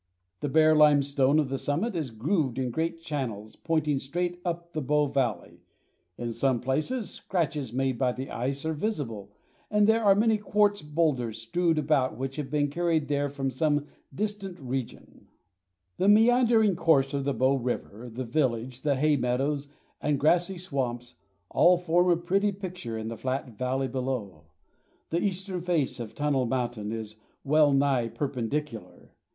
The bare limestone of the summit is grooved in great channels pointing straight up the Bow valley. In some places scratches made by the ice are visible, and there are many quartz boulders strewed about which have been carried here from some distant region. [Illustration: Banff Springs Hotel.] The meandering course of the Bow River, the village, the hay meadows and grassy swamps, all form a pretty picture in the flat valley below. The eastern face of Tunnel Mountain is wellnigh perpendicular.